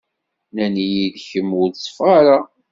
Nnan-iyi-d kemm ur teffeɣ ara.